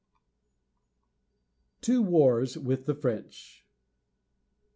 TWO WARS WITH THE FRENCH.